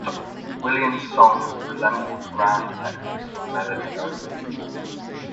Williams' song resembles "Grand Texas" in melody only.